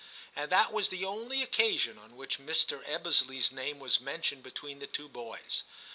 And that was the only occasion on which Mr. Ebbesley's name was mentioned between the two boys.